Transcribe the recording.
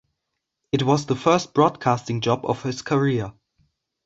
It was the first broadcasting job of his career.